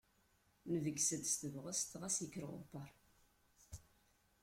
Nebges-d s tebɣest, ɣas yekker uɣebbaṛ.